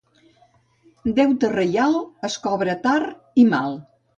Deute reial es cobra tard i mal.